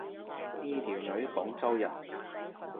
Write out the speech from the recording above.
呢條女廣州人